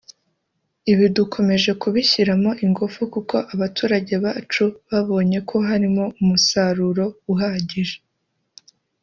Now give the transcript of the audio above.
Ibi dukomeje kubishyiramo ingufu kuko abaturage bacu babonye ko harimo umusaro uhagije